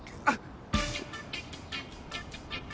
あっ。